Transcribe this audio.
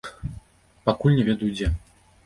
Пакуль не ведаю, дзе.